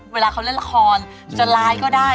เวลาเขาเล่นละครจะไลฟ์ก็ได้